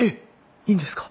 いいんですか？